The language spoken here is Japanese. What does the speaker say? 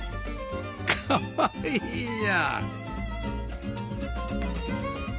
かわいいな！